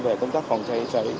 về công tác phòng ngừa